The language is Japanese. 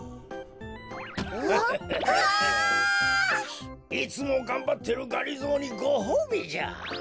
ん？わあ！いつもがんばってるがりぞーにごほうびじゃ。え！